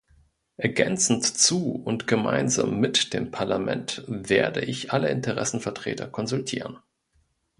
Ergänzend zu und gemeinsam mit dem Parlament werde ich alle Interessenvertreter konsultieren.